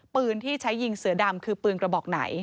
ปืนที่ใช้ยิงเสือดำคือปืนกระบอกไหน